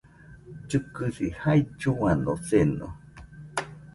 Llɨkɨsi jailluano seno